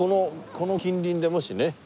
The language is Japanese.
この近隣でもしね。